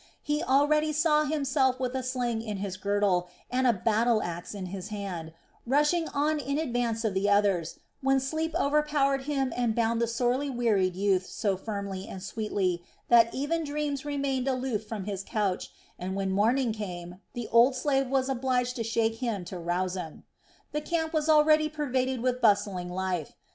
He already saw himself with a sling in his girdle and a battle axe in his hand, rushing on in advance of the others, when sleep overpowered him and bound the sorely wearied youth so firmly and sweetly that even dreams remained aloof from his couch and when morning came the old slave was obliged to shake him to rouse him. The camp was already pervaded with bustling life.